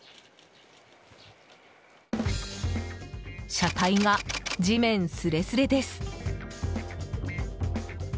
車体が地面すれすれです。